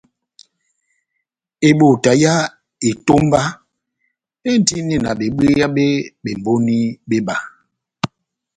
Ebota ya bá etomba éndi na bebwéya bé bemboni béba.